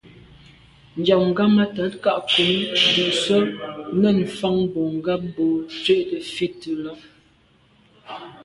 Njag ghammatat kà nkum ndùs’a nèn mfan bon ngab bo tswe fite là.